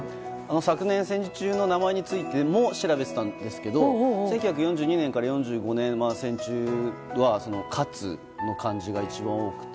昨年、戦時中の名前についても調べたことがあるんですけど１９４２年から４５年、戦中は勝の漢字が一番多くて。